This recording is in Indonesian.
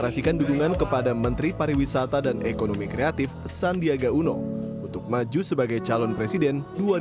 sandiaga uno untuk maju sebagai calon presiden dua ribu dua puluh empat